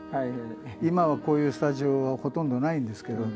今はこういうスタジオはほとんどないんですけど。